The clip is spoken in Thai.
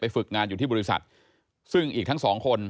ฝึกงานอยู่ที่บริษัทซึ่งอีกทั้งสองคน